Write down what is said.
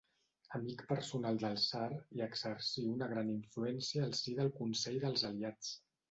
Amic personal del tsar, hi exercí una gran influència al si del Consell dels Aliats.